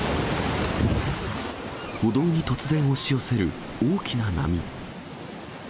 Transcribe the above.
歩道に突然押し寄せる大きな波。